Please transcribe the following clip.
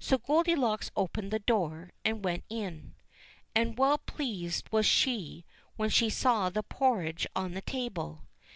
So Goldilocks opened the door and went in ; and well pleased was she when she saw the porridge on the table.